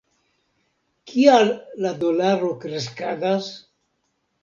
Kial la dolaro kreskadas?